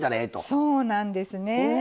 そうなんですね。